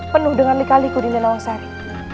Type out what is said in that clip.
penuh dengan lika liku dinda nawang sari